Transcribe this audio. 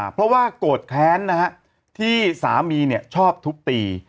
เพราะว่าโกรธแค้นนะฮะที่สามีชอบทุบตี